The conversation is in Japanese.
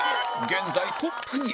現在トップに